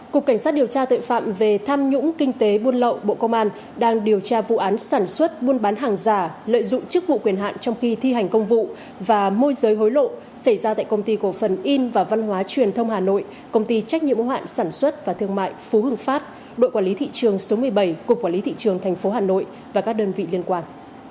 cục cảnh sát điều tra tội phạm về tham nhũng kinh tế buôn lậu bộ công an đang điều tra vụ án sản xuất buôn bán hàng giả lợi dụng chức vụ quyền hạn trong khi thi hành công vụ và môi giới hối lộ xảy ra tại công ty cổ phần in và văn hóa truyền thông hà nội công ty trách nhiệm hạn sản xuất và thương mại phú hương phát đội quản lý thị trường số một mươi bảy cục quản lý thị trường tp hà nội và các đơn vị liên quan